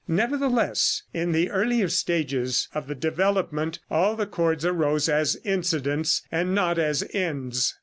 Nevertheless, in the earlier stages of the development, all the chords arose as incidents, and not as ends.